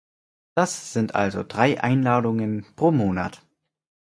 Das sind also drei Einladungen pro Monat.